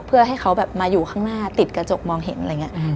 เพื่อให้เขาแบบมาอยู่ข้างหน้าติดกระจกมองเห็นอะไรอย่างนี้